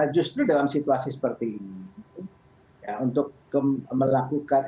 justru saya kira ini adalah hal yang harus diperhatikan